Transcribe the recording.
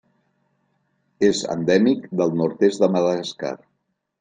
És endèmic del nord-est de Madagascar.